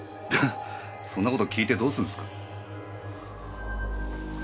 そんな事聞いてどうすんすか？